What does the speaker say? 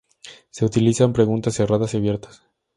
Se utilizan preguntas cerradas y abiertas.